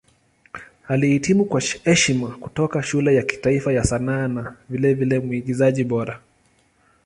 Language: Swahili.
Alihitimu kwa heshima kutoka Shule ya Kitaifa ya Sanaa na vilevile Mwigizaji Bora.